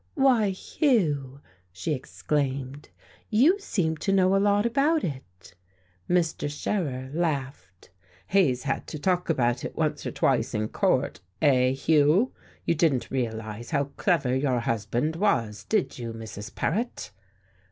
"Why, Hugh," she exclaimed, "you seem to know a lot about it!" Mr. Scherer laughed. "He's had to talk about it once or twice in court eh, Hugh? You didn't realize how clever your husband was did you, Mrs. Paret?"